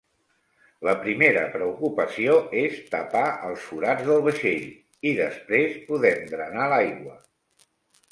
La primera preocupació és tapar els forats del vaixell, i després podem drenar l'aigua.